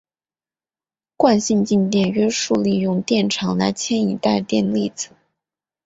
惯性静电约束利用电场来牵引带电粒子。